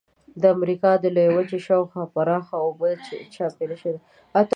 د امریکا د لویې وچې شاو خوا پراخه اوبه چاپېره شوې دي.